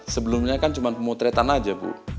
sebelumnya kan cuma pemotretan aja bu